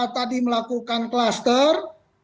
tadi melakukan klaster